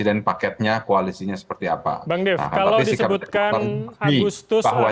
dan pak erlangga mengatakan dalam waktu beberapa bulan